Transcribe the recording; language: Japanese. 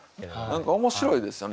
何か面白いですよね。